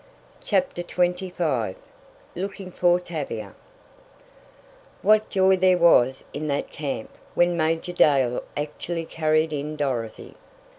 CHAPTER XXV LOOKING FOR TAVIA What joy there was in that camp when Major Dale actually carried in Dorothy!